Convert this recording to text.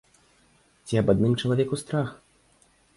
Ці аб адным чалавеку страх?